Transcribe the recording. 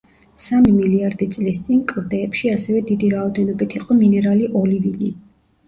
სამი მილიარდი წლის წინ კლდეებში ასევე დიდი რაოდენობით იყო მინერალი ოლივინი.